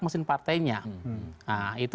mesin partainya nah itu